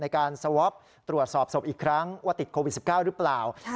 สวอปตรวจสอบศพอีกครั้งว่าติดโควิด๑๙หรือเปล่า